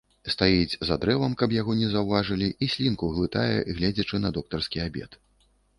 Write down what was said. Стаіць за дрэвам, каб яго не заўважылі, і слінку глытае, гледзячы на доктарскі абед.